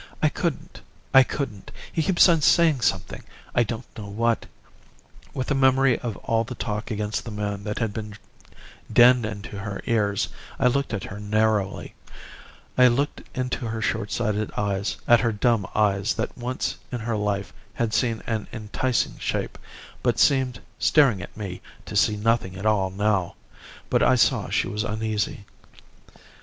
'I couldn't. I couldn't. He keeps on saying something I don't know what.' With the memory of all the talk against the man that had been dinned into her ears, I looked at her narrowly. I looked into her shortsighted eyes, at her dumb eyes that once in her life had seen an enticing shape, but seemed, staring at me, to see nothing at all now. But I saw she was uneasy.